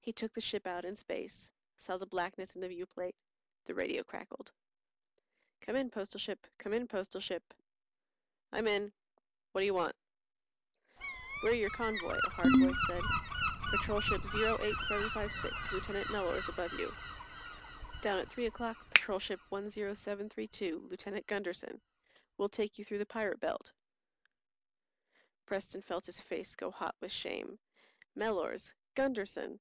He took the ship out in space, saw the blackness in the viewplate. The radio crackled. "Come in, Postal Ship. Come in, Postal Ship." "I'm in. What do you want?" "We're your convoy," a hard voice said. "Patrol Ship 08756, Lieutenant Mellors, above you. Down at three o'clock, Patrol Ship 10732, Lieutenant Gunderson. We'll take you through the Pirate Belt." Preston felt his face go hot with shame. Mellors! Gunderson!